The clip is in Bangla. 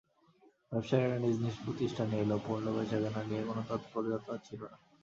ব্যবসায়ীরা নিজ নিজ প্রতিষ্ঠানে এলেও পণ্য বেচাকেনা নিয়ে কোনো তৎপরতা ছিল না।